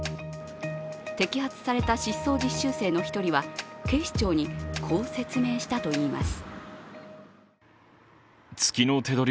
摘発された失踪実習生の１人は警視庁にこう説明したといいます。